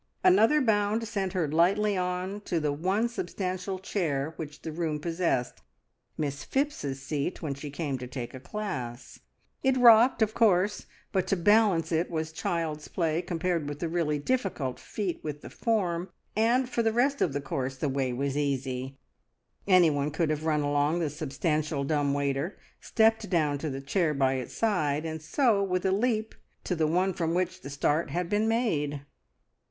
Another bound sent her lightly on to the one substantial chair which the room possessed Miss Phipps's seat when she came to take a class. It rocked, of course, but to balance it was child's play, compared with the really difficult feat with the form, and for the rest of the course the way was easy. Anyone could have run along the substantial dumb waiter, stepped down to the chair by its side, and so, with a leap, to the one from which the start had been made.